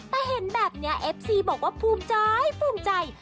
แต่เห็นแบบนี้เอฟซีบอกว่าภูมิใจภูมิใจ